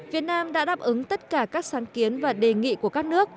việt nam đã đáp ứng tất cả các sáng kiến và đề nghị của các nước